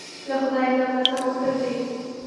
له خدای نه مرسته غوښتل دي.